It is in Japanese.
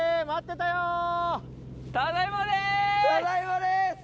ただいまです！